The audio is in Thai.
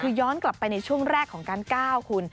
คือย้อนกลับไปในช่วงแรกของการก้าวคุณ